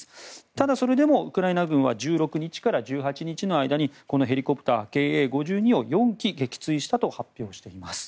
ただ、それでもウクライナ軍は１６日から１８日の間にこのヘリコプター、Ｋａ５２を４機撃墜したと発表しています。